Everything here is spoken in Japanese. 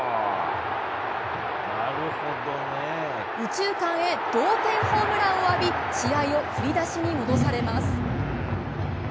右中間へ、同点ホームランを浴び試合を振り出しに戻されます。